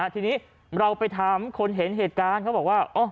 ที่นี้เราไปถามคนเห็นเกิดครั้งก็ว่า